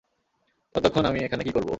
ততক্ষণ আমি এখানে কী করব?